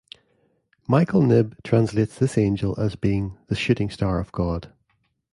Michael Knibb translates this angel as being the "Shooting star of God".